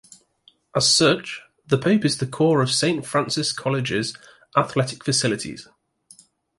As such, The Pope is the core of Saint Francis College's athletic facilities.